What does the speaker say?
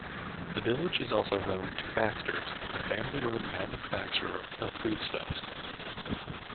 The village is also home to Baxters, the family-run manufacturer of foodstuffs.